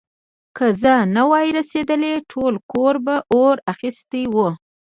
که زه نه وای رسېدلی، ټول کور به اور اخيستی و.